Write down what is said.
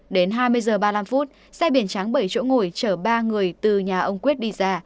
đến hai mươi h ba mươi năm phút xe biển trắng bảy chỗ ngồi chở ba người từ nhà ông quyết đi ra